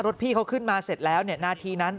รถพี่เขาขึ้นมาเสร็จแล้วเนี่ยในหน้าทีนั้น